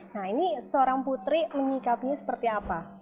nah ini seorang putri menyikapinya seperti apa